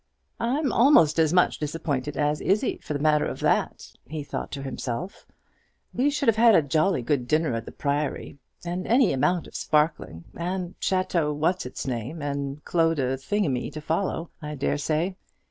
"I'm almost as much disappointed as Izzie, for the matter of that," he thought to himself; "we should have had a jolly good dinner at the Priory, and any amount of sparkling; and Chateau what's its name and Clos de thingamy to follow, I dare say.